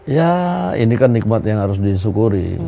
ya ini kan nikmat yang harus disyukuri